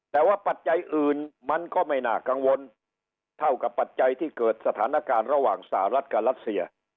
แต่ว่าปัจจัยอื่นมันก็ไม่น่ากังวลเท่ากับปัจจัยที่เกิดสถานการณ์ระหว่างสหรัฐกับรัสเซีย